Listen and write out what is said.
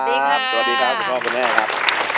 สวัสดีครับคุณพ่อคุณแม่ครับ